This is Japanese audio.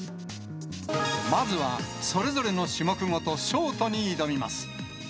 まずはそれぞれの種目ごとショートに挑みます。